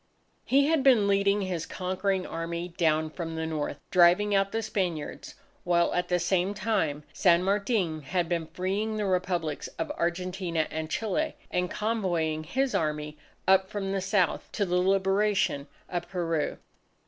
He had been leading his conquering Army down from the North, driving out the Spaniards; while at the same time, San Martin had been freeing the Republics of Argentina and Chile and convoying his Army up from the South to the liberation of Peru.